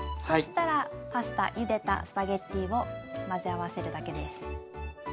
そしたらゆでたスパゲッティを混ぜ合わせるだけです。